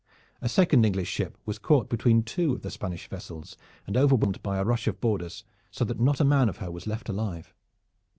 A second English ship was caught between two of the Spanish vessels and overwhelmed by a rush of boarders so that not a man of her was left alive.